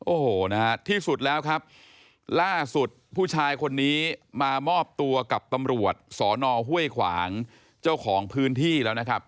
โอ้โหนะฮะที่สุดแล้วครับล่าสุดผู้ชายคนนี้มามอบตัวกับตำรวจสอนอห้วยขวางเจ้าของพื้นที่แล้วนะครับ